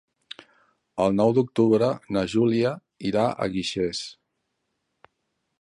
El nou d'octubre na Júlia irà a Guixers.